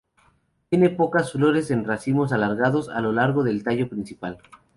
Tiene pocas flores en racimos alargados a lo largo del tallo principal.